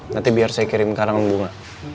nanti biar saya kirim karang bunga